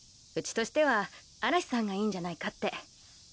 うちとしては嵐さんがいいんじゃないかって。